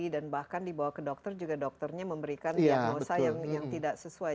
dan bahkan dibawa ke dokter juga dokternya memberikan diagnosa yang tidak sesuai